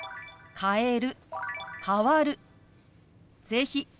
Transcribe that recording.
「変える」。